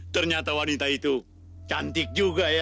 ternyata wanita itu cantik juga ya